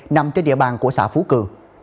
nằm trên địa bàn của xã phú cư